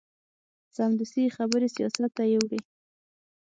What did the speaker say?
سمدستي یې خبرې سیاست ته یوړې.